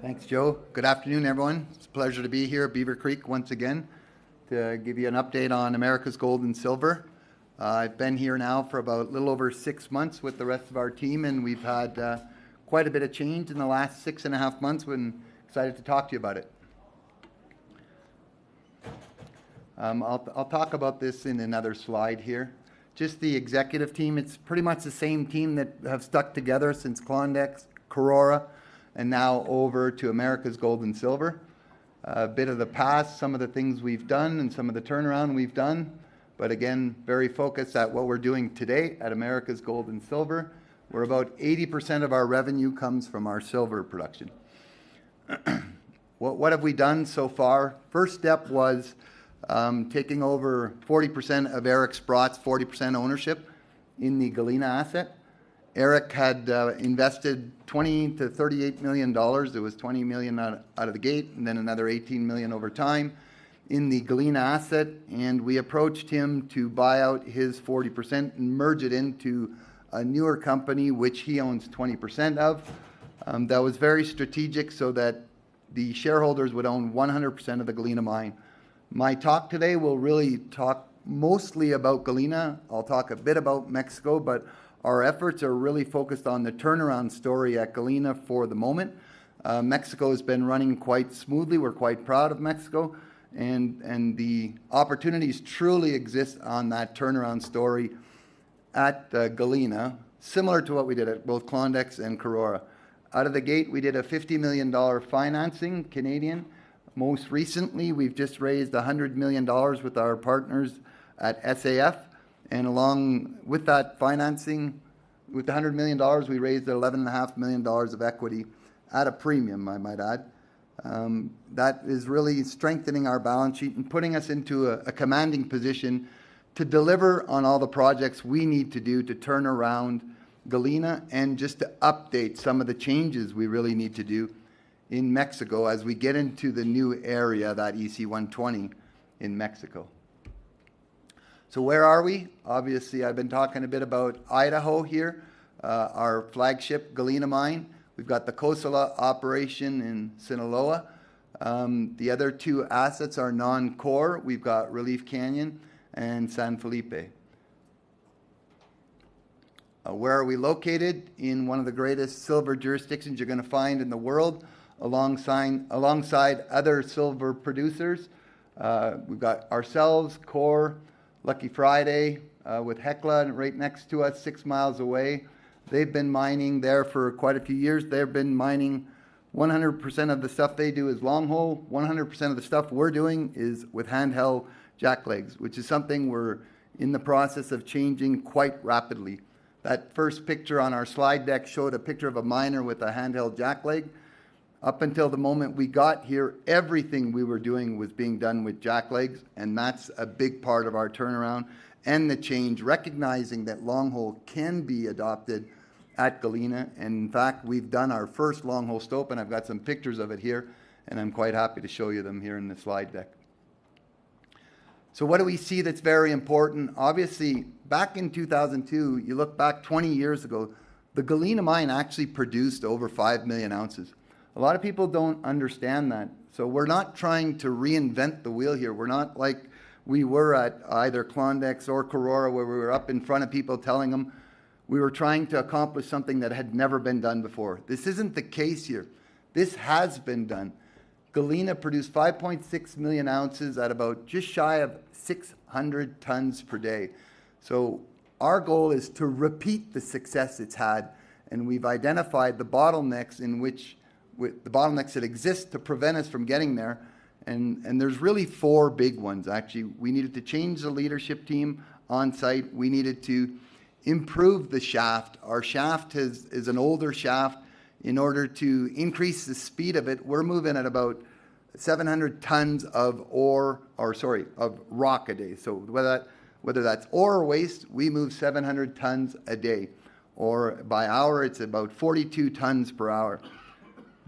Thanks, Joe. Good afternoon, everyone. It's a pleasure to be here at Beaver Creek once again to give you an update on Americas Gold and Silver. I've been here now for a little over six months with the rest of our team, and we've had quite a bit of change in the last six and a half months. I'm excited to talk to you about it. I'll talk about this in another slide here. Just the executive team, it's pretty much the same team that has stuck together since Klondex, Karora, and now over to Americas Gold and Silver. A bit of the past, some of the things we've done, and some of the turnaround we've done. But again, very focused at what we're doing today at Americas Gold and Silver. We're about 80% of our revenue comes from our silver production. What have we done so far? First step was taking over 40% of Eric Sprott's 40% ownership in the Galena asset. Eric had invested $20-$38 million. It was $20 million out of the gate, and then another $18 million over time in the Galena asset. And we approached him to buy out his 40% and merge it into a newer company, which he owns 20% of. That was very strategic so that the shareholders would own 100% of the Galena Mine. My talk today will really talk mostly about Galena. I'll talk a bit about Mexico, but our efforts are really focused on the turnaround story at Galena for the moment. Mexico has been running quite smoothly. We're quite proud of Mexico. And the opportunities truly exist on that turnaround story at Galena, similar to what we did at both Klondex and Karora. Out of the gate, we did a CAD $50 million financing, Canadian. Most recently, we've just raised $100 million with our partners at SAF, and along with that financing, with the $100 million, we raised $11.5 million of equity at a premium, I might add. That is really strengthening our balance sheet and putting us into a commanding position to deliver on all the projects we need to do to turn around Galena and just to update some of the changes we really need to do in Mexico as we get into the new area, that EC120 in Mexico, so where are we? Obviously, I've been talking a bit about Idaho here, our flagship Galena Mine. We've got the Cosalá operation in Sinaloa. The other two assets are non-core. We've got Relief Canyon and San Felipe. Where are we located? In one of the greatest silver jurisdictions you're going to find in the world, alongside other silver producers. We've got ourselves, Coeur, Lucky Friday with Hecla right next to us, six miles away. They've been mining there for quite a few years. They've been mining 100% of the stuff they do is longhole. 100% of the stuff we're doing is with handheld jacklegs, which is something we're in the process of changing quite rapidly. That first picture on our slide deck showed a picture of a miner with a handheld jackleg. Up until the moment we got here, everything we were doing was being done with jacklegs. And that's a big part of our turnaround and the change, recognizing that longhole can be adopted at Galena. And in fact, we've done our first longhole stope, and I've got some pictures of it here, and I'm quite happy to show you them here in the slide deck. So what do we see that's very important? Obviously, back in 2002, you look back 20 years ago, the Galena Mine actually produced over 5 million ounces. A lot of people don't understand that. So we're not trying to reinvent the wheel here. We're not like we were at either Klondex or Karora, where we were up in front of people telling them we were trying to accomplish something that had never been done before. This isn't the case here. This has been done. Galena produced 5.6 million ounces at about just shy of 600 tons per day. So our goal is to repeat the success it's had. And we've identified the bottlenecks which exist to prevent us from getting there. And there's really four big ones, actually. We needed to change the leadership team on site. We needed to improve the shaft. Our shaft is an older shaft. In order to increase the speed of it, we're moving at about 700 tons of ore, or sorry, of rock a day. So whether that's ore or waste, we move 700 tons a day. Or by hour, it's about 42 tons per hour.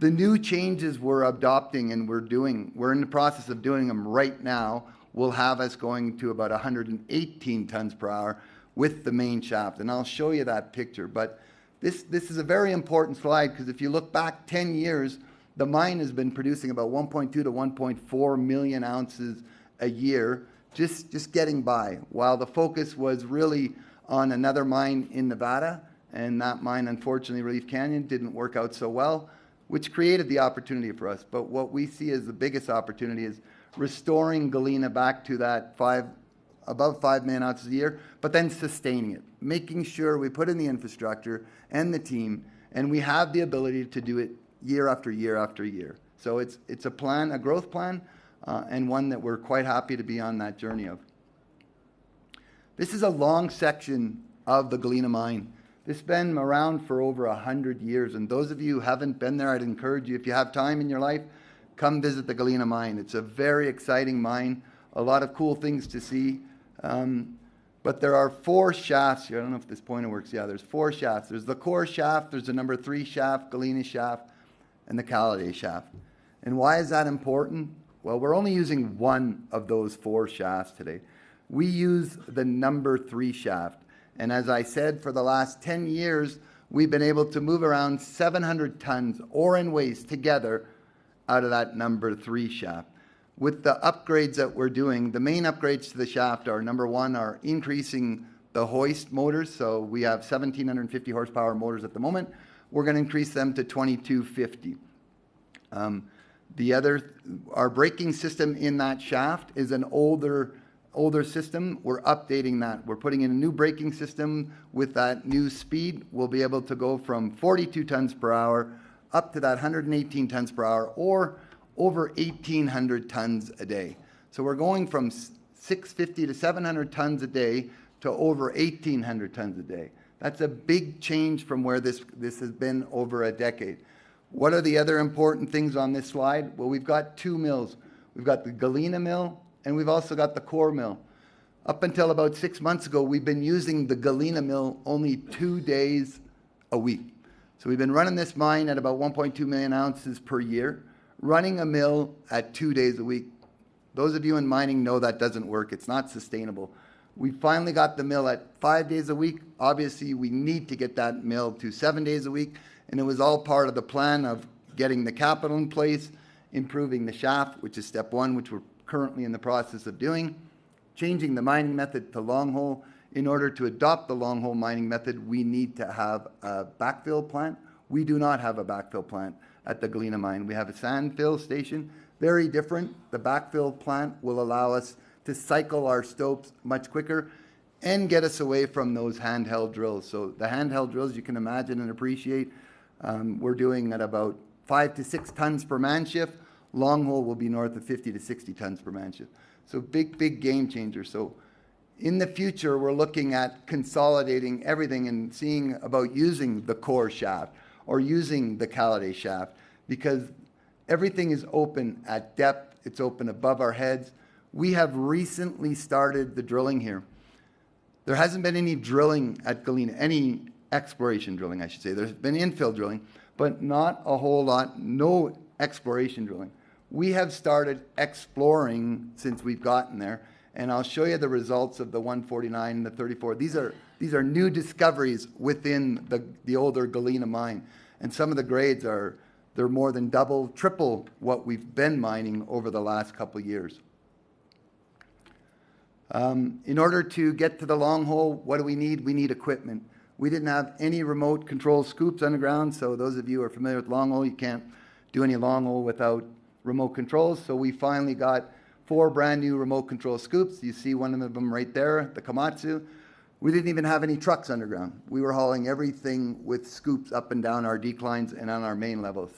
The new changes we're adopting and we're doing, we're in the process of doing them right now, will have us going to about 118 tons per hour with the main shaft. And I'll show you that picture. But this is a very important slide because if you look back 10 years, the mine has been producing about 1.2-1.4 million ounces a year, just getting by, while the focus was really on another mine in Nevada. And that mine, unfortunately, Relief Canyon, didn't work out so well, which created the opportunity for us. What we see as the biggest opportunity is restoring Galena back to that above 5 million ounces a year, but then sustaining it, making sure we put in the infrastructure and the team, and we have the ability to do it year after year after year. So it's a plan, a growth plan, and one that we're quite happy to be on that journey of. This is a long section of the Galena Mine. This has been around for over 100 years. And those of you who haven't been there, I'd encourage you, if you have time in your life, come visit the Galena Mine. It's a very exciting mine, a lot of cool things to see. But there are four shafts. I don't know if this pointer works. Yeah, there's four shafts. There's the Coeur Shaft, there's the Number 3 Shaft, Galena Shaft, and the Caladay Shaft. Why is that important? We're only using one of those four shafts today. We use the Number 3 Shaft. As I said, for the last 10 years, we've been able to move around 700 tons ore and waste together out of that Number 3 Shaft. With the upgrades that we're doing, the main upgrades to the shaft are, number one, increasing the hoist motors. We have 1,750 horsepower motors at the moment. We're going to increase them to 2,250. The other, our braking system in that shaft is an older system. We're updating that. We're putting in a new braking system. With that new speed, we'll be able to go from 42 tons per hour up to that 118 tons per hour or over 1,800 tons a day. We're going from 650 to 700 tons a day to over 1,800 tons a day. That's a big change from where this has been over a decade. What are the other important things on this slide? Well, we've got two mills. We've got the Galena Mill, and we've also got the Coeur Mill. Up until about six months ago, we've been using the Galena Mill only two days a week. So we've been running this mine at about 1.2 million ounces per year, running a mill at two days a week. Those of you in mining know that doesn't work. It's not sustainable. We finally got the mill at five days a week. Obviously, we need to get that mill to seven days a week. And it was all part of the plan of getting the capital in place, improving the shaft, which is step one, which we're currently in the process of doing, changing the mining method to longhole. In order to adopt the longhole mining method, we need to have a backfill plant. We do not have a backfill plant at the Galena Mine. We have a sandfill station, very different. The backfill plant will allow us to cycle our stopes much quicker and get us away from those handheld drills. The handheld drills, you can imagine and appreciate, we're doing at about 5-6 tons per man shift. Longhole will be north of 50-60 tons per man shift. Big, big game changer. In the future, we're looking at consolidating everything and seeing about using the Coeur Shaft or using the Caladay Shaft because everything is open at depth. It's open above our heads. We have recently started the drilling here. There hasn't been any drilling at Galena, any exploration drilling, I should say. There's been infill drilling, but not a whole lot. No exploration drilling. We have started exploring since we've gotten there. And I'll show you the results of the 149 and the 34. These are new discoveries within the older Galena Mine. And some of the grades, they're more than double, triple what we've been mining over the last couple of years. In order to get to the longhole, what do we need? We need equipment. We didn't have any remote control scoops underground. So those of you who are familiar with longhole, you can't do any longhole without remote controls. So we finally got four brand new remote control scoops. You see one of them right there, the Komatsu. We didn't even have any trucks underground. We were hauling everything with scoops up and down our declines and on our main level.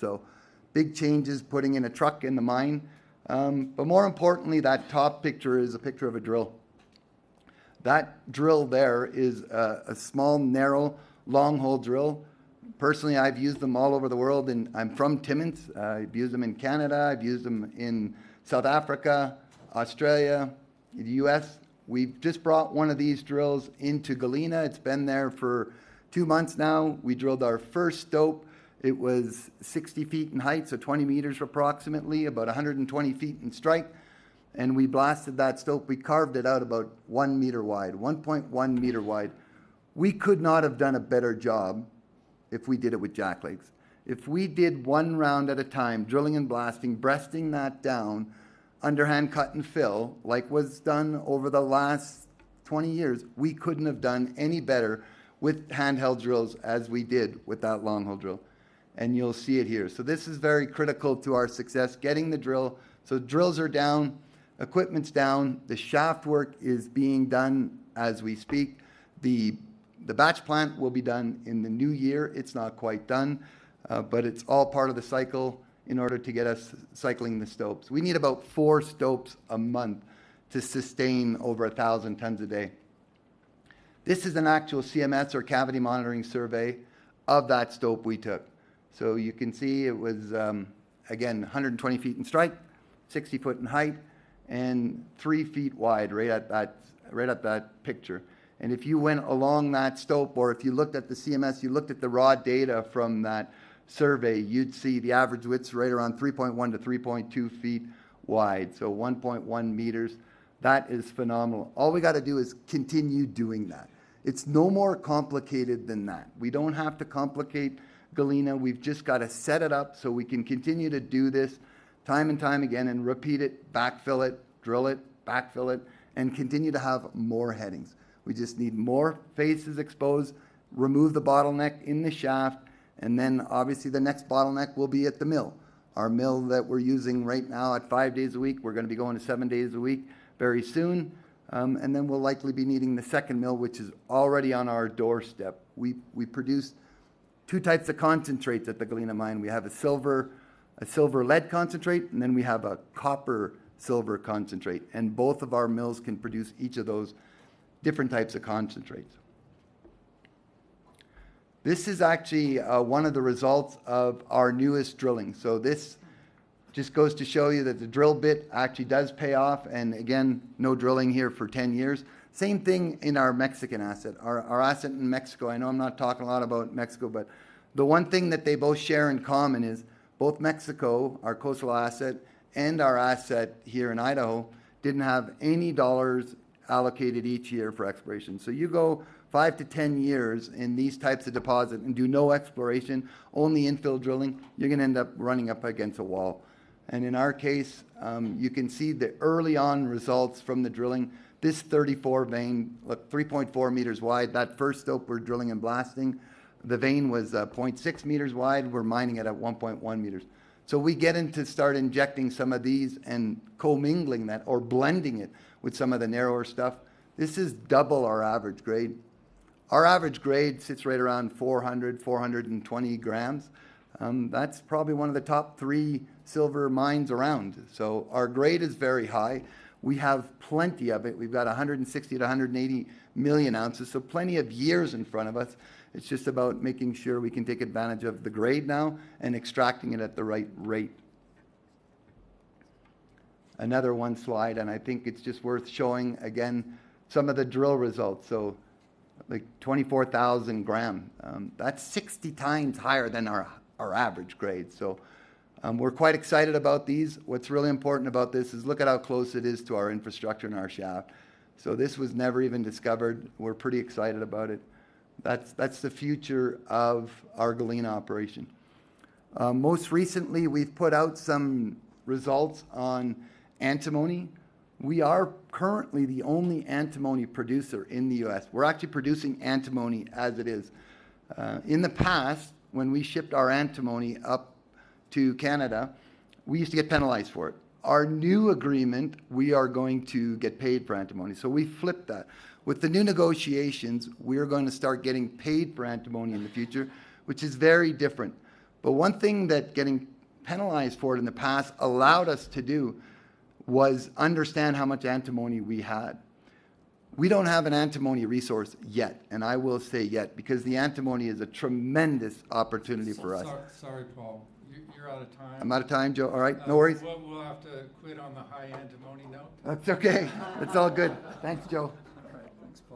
Big changes, putting in a truck in the mine. More importantly, that top picture is a picture of a drill. That drill there is a small, narrow longhole drill. Personally, I've used them all over the world, and I'm from Timmins. I've used them in Canada. I've used them in South Africa, Australia, the U.S. We've just brought one of these drills into Galena. It's been there for two months now. We drilled our first stope. It was 60 feet in height, so 20 meters approximately, about 120 feet in strike. We blasted that stope. We carved it out about one meter wide, 1.1 meter wide. We could not have done a better job if we did it with jacklegs. If we did one round at a time, drilling and blasting, breasting that down, underhand cut and fill, like was done over the last 20 years, we couldn't have done any better with handheld drills as we did with that longhole drill, and you'll see it here, so this is very critical to our success, getting the drill, so drills are down, equipment's down. The shaft work is being done as we speak. The backfill plant will be done in the new year. It's not quite done, but it's all part of the cycle in order to get us cycling the stopes. We need about four stopes a month to sustain over 1,000 tons a day. This is an actual CMS or cavity monitoring survey of that stope we took. So you can see it was, again, 120 feet in strike, 60 feet in height, and three feet wide right at that picture. And if you went along that stope or if you looked at the CMS, you looked at the raw data from that survey, you'd see the average widths right around 3.1-3.2 feet wide, so 1.1 meters. That is phenomenal. All we got to do is continue doing that. It's no more complicated than that. We don't have to complicate Galena. We've just got to set it up so we can continue to do this time and time again and repeat it, backfill it, drill it, backfill it, and continue to have more headings. We just need more faces exposed, remove the bottleneck in the shaft, and then obviously the next bottleneck will be at the mill. Our mill that we're using right now at five days a week, we're going to be going to seven days a week very soon. Then we'll likely be needing the second mill, which is already on our doorstep. We produce two types of concentrates at the Galena Mine. We have a silver-lead concentrate, and then we have a copper-silver concentrate. Both of our mills can produce each of those different types of concentrates. This is actually one of the results of our newest drilling. So this just goes to show you that the drill bit actually does pay off. Again, no drilling here for 10 years. Same thing in our Mexican asset. Our asset in Mexico. I know I'm not talking a lot about Mexico, but the one thing that they both share in common is both Mexico, our Cosalá asset, and our asset here in Idaho didn't have any dollars allocated each year for exploration. So you go 5 to 10 years in these types of deposit and do no exploration, only infill drilling. You're going to end up running up against a wall. And in our case, you can see the early on results from the drilling. This 34 Vein, look, 3.4 meters wide. That first stope we're drilling and blasting, the vein was 0.6 meters wide. We're mining it at 1.1 meters. So we get in to start injecting some of these and co-mingling that or blending it with some of the narrower stuff. This is double our average grade. Our average grade sits right around 400-420 grams. That's probably one of the top three silver mines around. So our grade is very high. We have plenty of it. We've got 160-180 million ounces, so plenty of years in front of us. It's just about making sure we can take advantage of the grade now and extracting it at the right rate. Another one slide, and I think it's just worth showing again some of the drill results. So 24,000 grams, that's 60 times higher than our average grade. So we're quite excited about these. What's really important about this is look at how close it is to our infrastructure and our shaft. So this was never even discovered. We're pretty excited about it. That's the future of our Galena operation. Most recently, we've put out some results on antimony. We are currently the only antimony producer in the U.S. We're actually producing antimony as it is. In the past, when we shipped our antimony up to Canada, we used to get penalized for it. Our new agreement, we are going to get paid for antimony, so we flipped that. With the new negotiations, we're going to start getting paid for antimony in the future, which is very different, but one thing that getting penalized for it in the past allowed us to do was understand how much antimony we had. We don't have an antimony resource yet, and I will say yet because the antimony is a tremendous opportunity for us. Sorry, Paul. You're out of time. I'm out of time, Joe. All right. No worries. We'll have to quit on the high antimony note. That's okay. It's all good. Thanks, Joe. All right. Thanks.